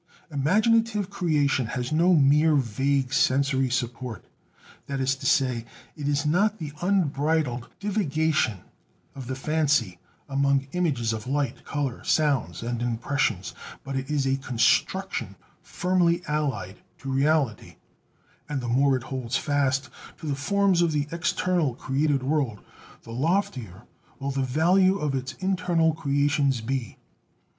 Imaginative creation has no mere vague sensory support; that is to say, it is not the unbridled divagation of the fancy among images of light, color, sounds and impressions; but it is a construction firmly allied to reality; and the more it holds fast to the forms of the external created world, the loftier will the value of its internal creations be.